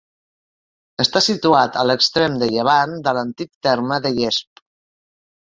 Està situat a l'extrem de llevant de l'antic terme de Llesp.